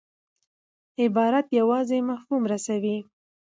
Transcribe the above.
عبارت یوازي مفهوم رسوي.